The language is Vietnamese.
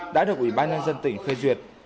đã được ủy ban nhân dân tỉnh phê duyệt